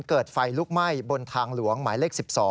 เกิดไฟลุกไหม้บนทางหลวงหมายเลข๑๒